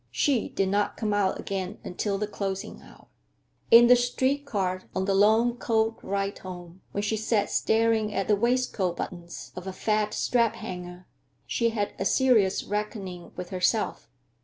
She did not come out again until the closing hour. In the street car, on the long cold ride home, while she sat staring at the waistcoat buttons of a fat strap hanger, she had a serious reckoning with herself.